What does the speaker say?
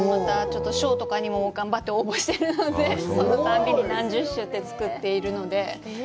賞とかにも頑張って応募してるので、そのたんびに何十首って作っているので。